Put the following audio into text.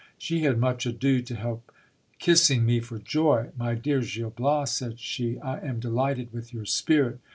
She had much ado to help kissing me for joy. My dear Gil Bias, said she, I am delighted with your spirit.